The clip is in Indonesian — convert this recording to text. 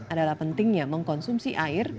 adalah pentingnya mengkonsumsi air